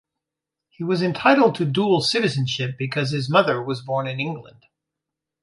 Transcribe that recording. He was entitled to dual citizenship because his mother was born in England.